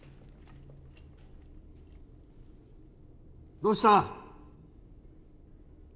どうした？